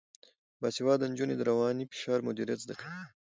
باسواده نجونې د رواني فشار مدیریت زده کوي.